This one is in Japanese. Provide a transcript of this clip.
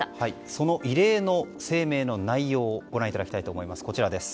その異例の声明の内容をご覧いただきたいと思います。